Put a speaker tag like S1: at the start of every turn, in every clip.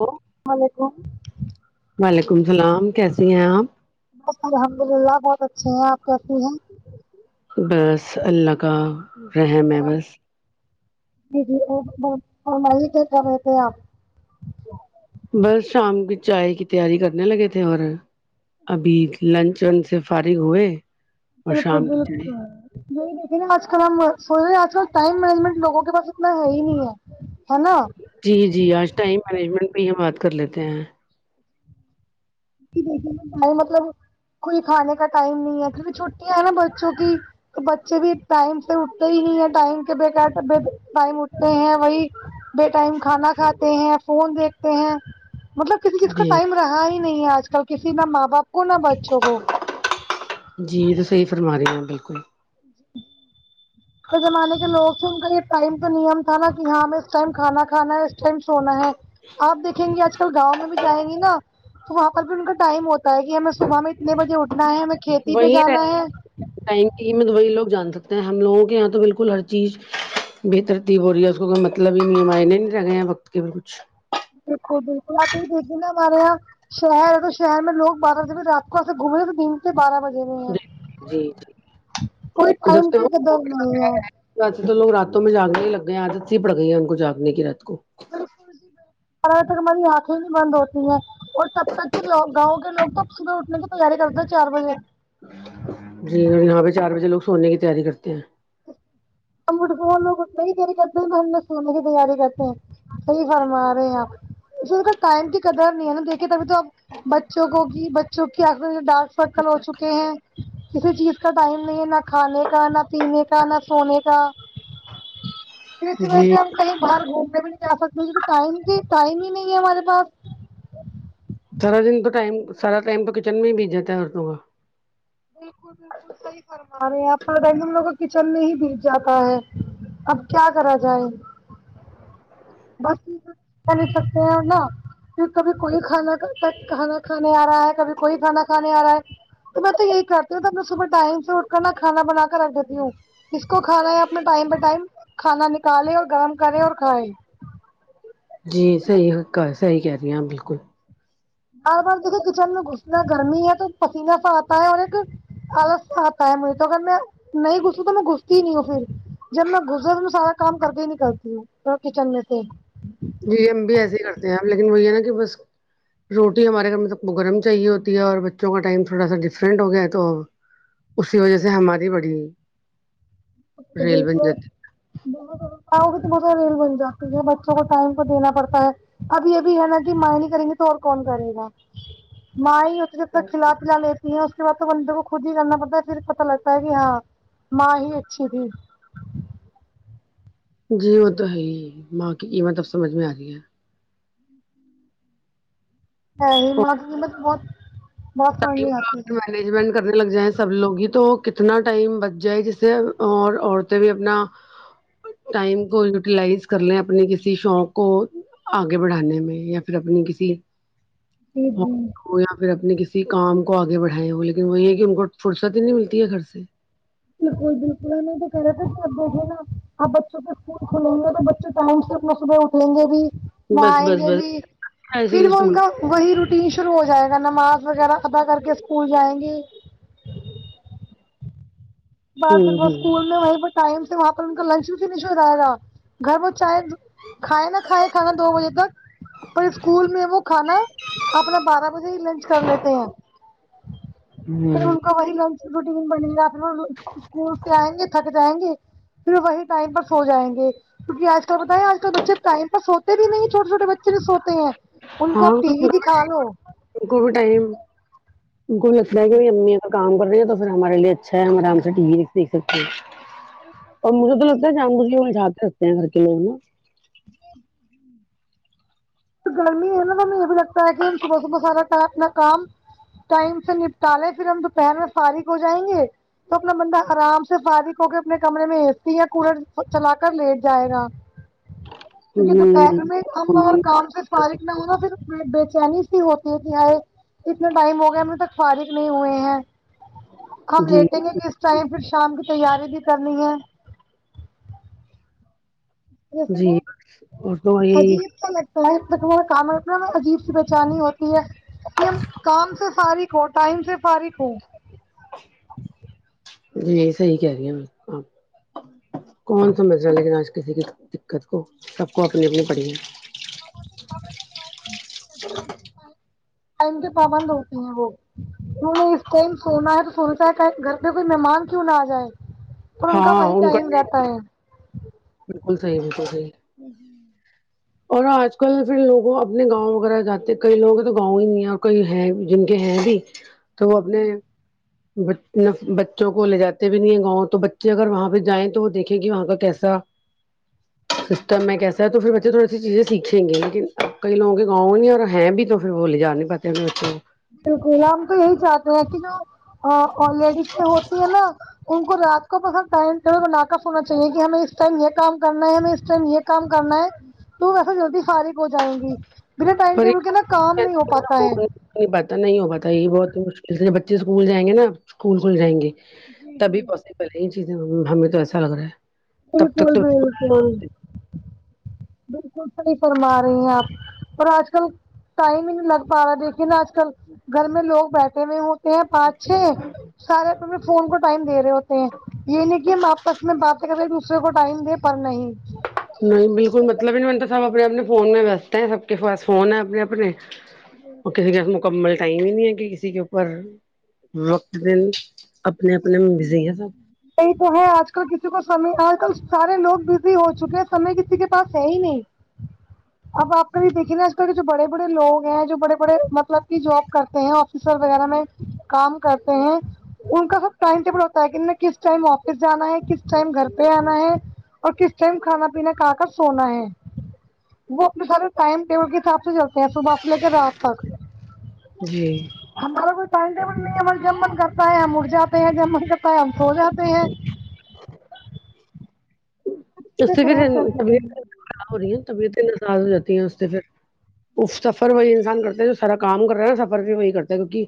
S1: hello
S2: وعلیکم
S1: وعلیکم السلام کیسی ہیں آپ
S2: الحمد للہ بہت اچھے ہیں آپ کیسی ہیں
S1: بس اللہ کا رحم ہے
S2: ہیں
S1: بس
S2: جی جی اور فرمائے کیا کر رہے تھے آپ
S1: بس شام کی چائے کی تیاری کرنے لگے تھے اور ابھی لنچ ون سے فارغ ہوئے اور
S2: بالکل
S1: شام کی چڑے
S2: بالکل نہیںی دیکھے نا آج کل ہم سوچ رہے ہیں آج کل ٹائم مینجمنٹ لوگوں کے پاس اتنا ہے ہی نہیں ہے ہےنا
S1: جی جی آج ٹائم مینجمنٹ میں ہی ہم بات کر لیتے ہیں
S2: جی کھے مطلب کوئی کھانے کا ٹائم نہیں ہے کیونکہ چھٹییاں ہے نا بچوں کی تو بچے بھی ٹائم سے اٹھتے ہی نہیں ٹائم کے بعد ٹائم اٹھتے ہیں وہی بے ٹائم کھانا کھاتے ہیں فون دیکھتے ہیں مطلب کسی چیز کا
S1: جی
S2: ٹائم رہا ہی نہیں ہے آج کل کسی نہ ماں باپ کو نہ بچوں کو
S1: جی تو صحیح فرمارہی ہیں اآپ بالکل
S2: تو زمانے کے لوگ ان کا یہ ٹائم تو نییم تھا نا کہ ہاں ہمیں اس ٹائم کھا کھانا ہے اس ٹائم سونا ہے آپ دیکھیں گے آج کل گاؤں میں بھی جائیں گی نا تو وہاں پر بھی ان کا ٹائم ہوتا ہے کہ ہمیں صبح میں اتنے بجے اٹھنا ہے ہمیں کھیتی پہ
S1: وہی رہ
S2: جانا ہے
S1: ٹائم میں دبئی لوگ جان سکتے ہیں ہم لوگوں کے یہاں تو بالکل ہر چیز بے ترتیب بورہی ہے اس کو کوئی مطلب ہی نہیں معنے نہیں لگے ہیں وقت کے بھی کچھ
S2: دیکھو بالکل آپ یہ دیک د نہ مارے یہ شہر ہے تو شہر میں لوگ بارہ سے بھی رات کو گھومنے رہے دن بارہ بجے ہو ہیں
S1: جی جی
S2: کو
S1: اور جب
S2: ٹائم
S1: سے
S2: کی
S1: وہ
S2: قدر
S1: کووڈ کا
S2: نہیں
S1: کہہ
S2: ہے
S1: رہے ہیں ویسے تو لوگ راتوں میں جاگنے ہی لگ گئے ہیں عادت سی پڑ گئی ہے ان کو جاگنے کی رات کو
S2: بالکلاں تک ہماری آنکھیں بھی بند ہوتی ہیں اور تب تک کہ لوگ گاؤں کے لوگ تو صبح اٹھنے کی تیاری کرتا
S1: جی اور یہاں پہ چار بجے لوگ سونے کی تیاری کرتے ہیں
S2: ہم لوگ اٹھنے کی تیاری کرتے ہیں ہم سونے کی تیاری کرتے ہیں صحیح فرما رہے ہیں آپ سر کا ٹائم کی قدر نہیں ہے نا دیکھیے ابھی تو بچوں کو کی بچوں کی ڈانس سرکل ہو چکے ہیں کسی چیز کا ٹائم نہیں ہے نہ کھانے کا نہ پینے کا نہ سونے کا پھر اسی وجہ
S1: جی
S2: سے ہم کہیں باہر گھومتے بھی نہیں سیاست میں یہ ٹائم کے ٹائم ہی نہیں ہے ہمارے پاس
S1: سارا دن تو ٹائم سارا ٹائم تو کچن میں ہی بیت جاتا ہے عورتوں کا
S2: بالکل بالکل صحیح فرما رہے ہیں آپ کو بتائیں گے ہم لوگ کا کچن میں ہی بیج جاتا ہے اب کیا کرا جائے بس کر ہی سکتے ہیں نا پھر کبھی کوئی کھانا کھا کھانے آ رہا ہے کبھی کوئی کھانا کھانے آ رہا ہے تو میں تو یہ کرتی ہوں تو میں صبح ٹائم سےاٹھ کر نہ کھانا بنا کر رکھ دیتی ہوں اس کو کھانا ہے اپنا ٹائم بائی ٹائم کھانا نکالے اور گرم کرے اور کھائے
S1: جی صحیح کہا صحیح کہہ رہی ہے آپ بالکل
S2: اب آپ دیکھو کچن میں گھسنا گرمی ہے تو پسینہ سا آتا ہے اور ایک الگ سا ہوتا ہے مجھے تو اگر میں نہیں گھسی تو میں گھستی ہی نہیں ہوں پھر جب میں گزر تو میں سارا کام کرکے ہی نکلتی ہوں کچن میں سے
S1: جی ہم بھی ایسے ہی کرتے ہیں آپ لیکن وہ یہ نا کہ بس روٹی ہمارے گھر میں سب گرم چاہیے ہوتی ہے اور بچوں کا ٹائم تھوڑا سا ڈفرینٹ ہو گیا تو اسی وجہ سے ہماری بڑی
S2: ا
S1: ریل بن
S2: وہکا
S1: جاتی
S2: [unintelligible] بہت ہوگی تو بہت زیادہ ری [unintelligible] بن جاتی ہے بچوں کو ٹائم کو دینا پڑتا ہے اب یہ بھی ہے نا کہ مائیں نہیں کریں گی تو اور کون کرے گا مائیں ہی ہو یا پھر کلھا پلا لے تی [unintelligible] اس کے بعد تو بندے کو خود ہی کرنا پڑتا ہے پھر پتا لگتا ہے کہ ہاں ماں ہی جی
S1: جی وہ تو ہے ہی ماں کی قیمت اب سمجھ میں آ رہی ہے
S2: نہیں وہاں قیمت بہت بہت سمجھ میں آتی ہے
S1: م مجمٹ [unintelligible] کرنے لگ جائیں سب لوگ ہی تو کتنا ٹائم بچ جائے جس سے اور عورتیں بھی اپنا ٹائم کو یوٹیلائز کر لیں اپنے کسی شوق کو آگے بڑھانے میں یا پھر اپنی [unintelligible] کسی
S2: جی جی
S1: یا پھر اپنی کسی کسی کام کو آگے بڑھائے وہ لیکن وہ یہ ہے کہ ان کو فرصت ہی نہیں ملتی ہے گھر سے
S2: بالکل بالکل ہم یہی تو کہہ رہا تھے آپ دیکھیے نا آپ بچوں کے اسکول کھلیں گے تو بچے ٹائم سے صبح اٹھیں گے بھی
S1: بس
S2: نہایں
S1: بس
S2: گے
S1: بس
S2: بھی
S1: اسی لیے
S2: پھر وہ ان
S1: اسکول
S2: کا وہی روٹین شروع ہو جائے گا نماز وغیرہ ادا کر کے اسکول جائیں گے بار پھر
S1: ہوں
S2: وہ
S1: ہوں
S2: اسکول میں وہیں پے ٹائم سے وہاں پر ان کا لنچ بھی فنش ہو جائے گا گھر وہ چائے کھائے نہ کھائے کھانا دو بجے تک پر اسکول میں وہ کھانا اپنا بارہ بجے ہی لنچ کر لیتے ہیں
S1: ہمم
S2: پھر ان وہی لنچ روٹین بنے گا آپ اسکول سے آئیں گے تھک جائیں گے پھر وہی ٹائم پر سو جائیں گے کیونکہ آج کل پتہ ہے آج کل بچے ٹائم پر سوتے بھی نہیں چھوٹے چھوٹے بچے نہیں سوتے ہیں ان کو
S1: ہاں
S2: آپ ٹی وی دکھا لو
S1: ان کو ٹائم ان کو بھی لگتا ہے کہ امی اب کام کر رہی ہیں تو پھر ہمارے لیے اچھا ہے ہم آرام سے ٹی وی د یکھ سکتے اور مجھے تو لگتا ہے جان بوجھ کے وہ جھانک سکتے ہیں گھر کے لوگ نا
S2: تو گرمی ہے نا تو ہمیں یہ بھی لگتا ہے کہ ہم صبح صبح سارا کام اپنا کام ٹائم سے نپٹالیں پھر ہم دوپہر میں فارغ ہو جائیں گے تو بندہ آرام سے فارغ ہو کے اپنے کمرے میں اے سی یا کولر چلا کر لیٹ جائے گا
S1: ہمم صحیح
S2: پھر فارغ نہ ہونا پھر بے چینی سی ہوتی ہے کہ ہے اتنا ٹائم ہو گیا ہم ابھی تک فارغ نہیں ہوئے ہیں ہم
S1: جی
S2: لیٹیں گے کس ٹائم پھر شام کی تیاری بھی کرنی ہے جیسے
S1: جی اور تو
S2: بہت
S1: یہی
S2: عجیب سا لگ لف تکارا کامنا [unintelligible] عجیب سی بیچینی ہوتی ہے کہ ہم کام سے فارغ ہو ٹائم سے فارغ ہو
S1: جی صحیح کہہ رہی ہ میں آپ کون سمجھ را لیکن آج کسی کی دقت کو سب کو اپنی اپنی پڑی
S2: ٹائم کے پابند ہوتے ہیں وہ انہوں نے اس ٹائم سونا ہے تو سوچتا ہے گھر پہ کوئی مہمان کیوں نہ آ جائے اور ان کا وہی ٹائم رہتا ہے
S1: بالکل صحیح بالکل صحیح
S2: نہیں
S1: اور آج کل پھر لوگوں اپنے گاؤں وغیرہ جاتے کئی لوگوں کے تو گاؤں ہی نہیں ہے اور کئی ہے جن کے ہیں بھی تو وہ اپنے بچوں کو لے جاتے بھی نہیں ہے گاؤں تو بچے اگر وہاں پہ جائیں تو وہ دیکھیں گ وہاں کا کیسا سسٹم میں کیسا ہے تو پھر بچے تھوڑے چیزیں سیکھیں گے لیکن اپ کئی لگوں کے گاؤں نہیں اور ہے ہیں بھی تو پھر وہ لی جا نہیں پتے انیں بچوں کو
S2: باکل ہم تو یہی چاہتے ہیں کہ جو آلریڈی تو ہوتی ہے نا ان کو رات کو اپنا ٹائم ٹائم بنا کر سونا چاہیے کہ ہمیں اس ٹائم یہ کام کرنا ہے ہمیں اس ٹائم یہ کام کرنا ہے تو ویسا جلدی فارغ ہو جائیں گی بنا ٹائم ٹیبل کے نا کام
S1: پریشان
S2: نہیں ہو
S1: نا،
S2: پاتا
S1: وہ
S2: ہے
S1: نہیں پاتہ نہیں ہو پاتا یہ بہت مشکل سے بچے اسکول جائیں گے نا اسکول کھل جائیں گے
S2: جی
S1: تبھی
S2: جی
S1: پوسیبل ہے یہ چیز ہمیں تو ایسا لگ رہا ہے تب
S2: بالکل
S1: تک تو
S2: بالکل بالکل صحیح فرما رہی ہیں آپ اور آج کل ٹائم ہی نہیں لگ پا رہا دیکھیے نا آج کل گھر میں لوگ بیٹھے ہوئے ہو ہیں پانچ چھ سارے اپنے فون کو ٹائم دے رہے ہوتے ہیں یہ نہیں کہ ہم آپس میں باتیں کرے دوسرے کو ٹائم دیں پر نہیں
S1: نہیں بالکل مطلب ہی نہیں بنتا تھا وہاں اپنے فون میں بیستے ہیں سب کے پاس فون ہے اپنے اپنے وہ کہے گا مکمل ٹائم ہی نہیں ہے کہ کسی کے اوپر وقت دنے اپنے اپنے بزی ہے سب
S2: یہی تو ہے آج کل کسی کو سمے آج کل سارے لوگ بزی ہو چکے ہیں سمے کسی کے پاس ہے ہی نہیں اب آپ کھی دیکھے نا آج کل کے جو بڑے بڑے لوگ ہیں جو بڑے بڑے مطلب کہ جاب کرتے ہیں آفیسر وغیرہ میں کام کرتے ہیں ان کا سب ٹائم ٹیبل ہوتا ہے کہ انہیں کس ٹائم واپس جانا ہے کس ٹائم گھر پہ آنا ہے اور کس ٹائم کھانا پینا کہا کر سونا ہے وہ اپنے سارے ٹائم ٹیبل کے حساب سے چلتے ہیں صبح سے لے کے رات تک
S1: جی
S2: ہمارا کوئی ٹائم ٹیبل نہیں ہے ہم جب من کرتا ہے ہم اٹھ جاتے ہیں جب من کرتا ہے ہم سو جاتے ہیں
S1: اس
S2: چیزیں
S1: سےھر
S2: خراب کر دیتے
S1: طبیعت
S2: ہیں
S1: ہو رہی ہ [unintelligible] ے طبیعتیں خراب ہو جاتی ہے اس سے پھر اف سفر وہی انسان کرتا ہے جو سارا کام کر رہا ہے نا سفر بھی وہی کرتا ہے کیونکہ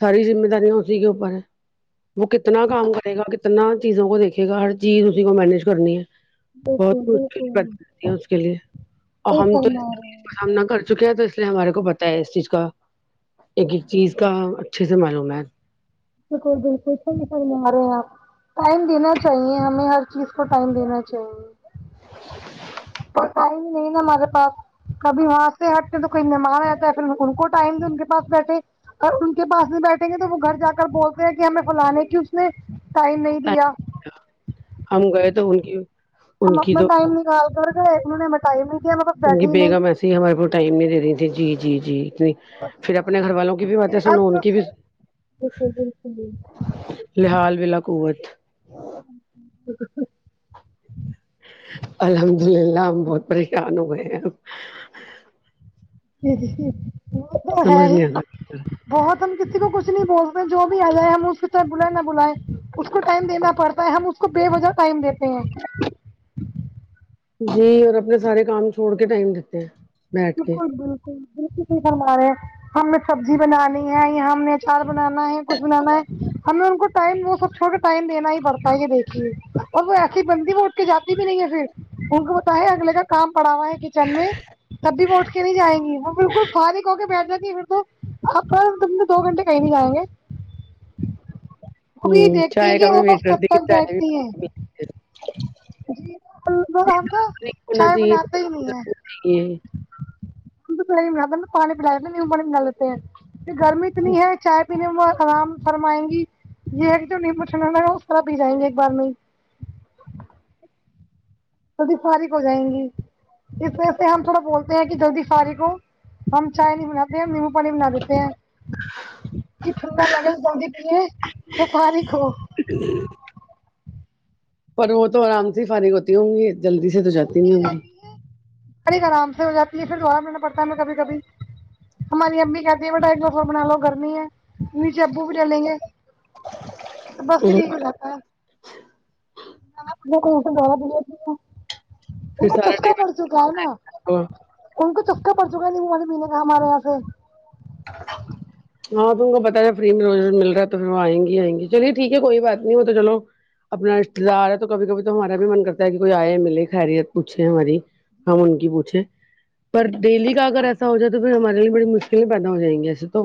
S1: ساری زماداری اسی کے اپر ہے وہ کتنا کام کرے گا کتنا چیزوں کو دیکھے گا ہر چیز اسی کو مینج کرنی ہے بہت
S2: بالکل
S1: مشکل
S2: بالکل
S1: بات ہے اس کے لیے اور
S2: صحیح
S1: ہم تو
S2: فرمایا
S1: سامنا کر چکے ہے تو اس لیے ہمارے کو پتا ہے اس چیز کا ایک ایک چیز کا اچھے سے معلوم ہے
S2: بلکل بلکل صہی فرما رہے ہیں آپ ٹائم دینا چاہیے ہمیں ہر چیز کو ٹائم دینا چاہیے پر ٹایم نہیں نا ہمارے پاس کبھی وہاں سے ہٹتے تو کوئی مہمان آتا ہے پھر ان کو ٹائم دو ان کے پاس بیٹھے اگر ان کے پاس نہیں بیٹھیں گے تو وہ گھر جا کے بولتے ہیں کہ ہمیں فھلانے کی اس نے ٹائم نہیں دیا
S1: ہم گئے تو ان کی
S2: ہم
S1: ان کی
S2: اپنا
S1: تو
S2: ٹائم نکال کر کے انہوں نے ٹائم نہیں دیا پاس
S1: کی
S2: بیٹھے ہی نہیں
S1: بیگم ایسے ہی ہمارے پ ٹائم نہیں دے رہی تھی جی جی جی اتنی پھر اپنے گھر والوں کی بھی باتیں
S2: ہر
S1: سنو ان
S2: طرف
S1: کی بھی
S2: سے بالکل بالکل
S1: لاحال ولا قوت
S2: [unintelligible]
S1: الحمد للہ ہم بہت پریشان ہو گئے ہیں ہم
S2: وہ تو
S1: سمجھ
S2: ہے ہی
S1: نہیں آ
S2: بہت ہم کسی کو کچھ نہیں بولتے جو بھی آ جائے ہم اس کے طر بلائیں نہ بلائیں اس کو ٹائم دینا پڑتا ہے ہم اس کو بے وجہ ٹائم دیتے ہیں
S1: جی اور اپنے سارے کام چھوڑ کے ٹائم دیتے ہیں بیٹھ کے
S2: بالکل بالکل صحیح فرما رہے ہیں ہم نے سبزی بنانی ہے ہم نے ا چار بنانا ہے کچھ بنانا ہے ہم نے ان کو ٹائم وہ سب چھوڑ کے ٹائم دینا ہی پڑتا ہے یہ دیکھیے اور وہ ایسی بندی وہ اٹھ کے جاتی بھی نہیں ہے پھر ان کو بتا ہے اگلے کا کام پڑا ہوا ہے کچن میں تب بھی وہ اوٹ کے نہیں جیں گی وہ بالکل فاریک ہو بیٹھ جاتی پھر تو آپکے دن میں دو گھنٹے کہیں نہیں جائیں گے ابھی
S1: ہوں
S2: دیکھتی ہیں
S1: چائے
S2: کہ وہ بس کب تک بیٹھتی ہیں
S1: ج
S2: ہم تو
S1: ہونا
S2: چائے
S1: چاہیے
S2: بناتے ہی نہیں ہے
S1: چاہیے
S2: پ پانی پلا دیتے نمبو پانی پلا لیتے ہیں کہ گرمی اتنی ہے چائے پینے میں وہ آرام فرمائیں گی یہ ایک جو نیمبو ٹنڈا لگ ہے وہ سرا پی جائیں گے ایک بار نہیں جلدی فارغ ہو جائیں گی اس وجہ سے ہم تھوڑا بولتے ہیں کہ جلدی فارغ کو ہم چاۓ نہیں بناتے نیمب و پانی بنا دیتے ہیں کہ ٹھنڈا لگاتے جلدی پیے تو فارغ ہو
S1: ج پر وہ تو آرام سے ہی فارغ ہوتی ہوں گی جلدی سے تو جاتی نہیں ہوں گی
S2: فارغ آرام سے ہو جاتی ہے پھر دوار لینا پڑتا ہے ہم کبھی کبھی ہماری امی کہتی ہیں بیٹا جو سو بنا لو گرمی ہے نیچے ابو بھی ڈلیں گے تو بس بھی [unintelligible]
S1: گی
S2: ٹھیک ہو جاتتاا ان
S1: پھر
S2: کو
S1: سارا
S2: چسکا پڑ چکا ہے نا
S1: ٹائم
S2: ان کو چسکا پڑ چکا نیمبو پانی پینے کا ہمارے یہاں سے
S1: ہاں تو ان کو بتا فری میں مل رہا ہے تو پھر وہ آئ گی ہی آئ گی چلیے ٹھیک ہے کوئی بات نہیں ہو تو چلو اپنا رشتے دار ہے تو کبھی کبھی تو ہمارا بھی من کرتا ہے کہ کوئی آئے ملے خیریت پوچھے ہماری ہم ان کی پوچھیں پر ڈیلی کا اگر ایسا ہو جائے تو پھر ہمارے لیے بڑی مشکل پیدا ہو جائیںے ایسے تو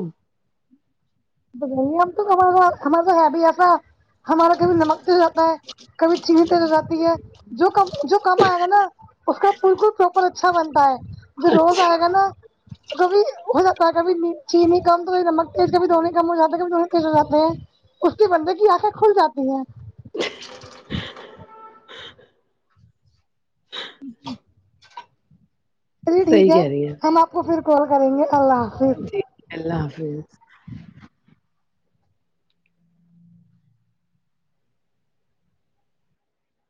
S2: نہیں ہم تو ہما ہمارا یہاں ہے بھی ہمارا کبھی نمک تیز ہو جاتا ہے کبھی چینی تیز ہو جاتی ہے جو کم جو کم آئے گا نا اس کا بالکل پراپر اچھا بنتا ہے جو روز آئے گا نا کبھی ہو جاتا ہے کبھی چینی کم تو نمک تیز کبھی دونوں کم ہو جاتا ہے نمک تیز ہو جاتے ہیں اس کے بندے کی آنکھیں کھل جاتی ہیں ہمم چلیے ٹھیک
S1: صحیح
S2: ہے
S1: کہہ رہی ہیں
S2: ہم آپ کو پھر کال کریں گے اللہ حافظ
S1: جی اللہ حافظ